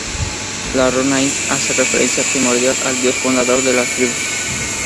La runa Ing hace referencia primordial al dios fundador de las tribus.